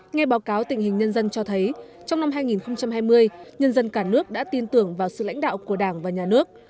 nghe báo cáo tình hình nhân dân cho thấy trong năm hai nghìn hai mươi nhân dân cả nước đã tin tưởng vào sự lãnh đạo của đảng và nhà nước